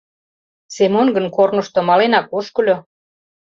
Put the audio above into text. Семон гын корнышто маленак ошкыльо.